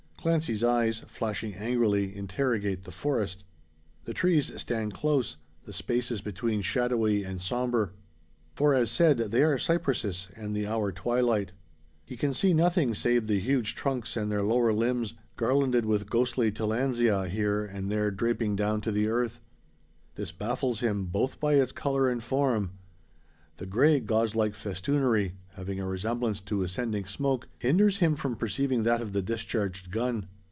Clancy's eyes, flashing angrily, interrogate the forest. The trees stand close, the spaces between shadowy and sombre. For, as said, they are cypresses, and the hour twilight. He can see nothing save the huge trunks, and their lower limbs, garlanded with ghostly tillandsia here and there draping down to the earth. This baffles him, both by its colour and form. The grey gauze like festoonery, having a resemblance to ascending smoke, hinders him from perceiving that of the discharged gun.